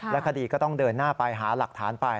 คดีก็ต้องเดินหน้าไปหาหลักฐานไป